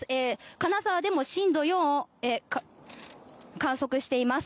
金沢でも震度４を観測しています。